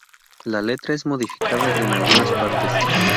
La letra es modificada en algunas partes.